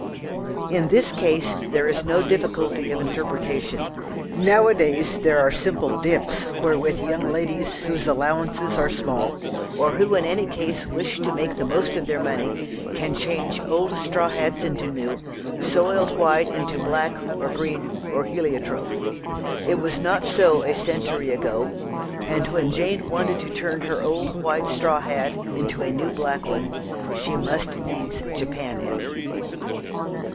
In this case there is no difficulty of interpretation. Now a days there are simple "dips" wherewith young ladies whose allowances are small or who in any case wish to make the most of their money can change old straw hats into new, soiled white into black, or green, or heliotrope. It was not so a century ago, and when Jane wanted to turn her old white straw hat into a new black one, she must needs Japan it.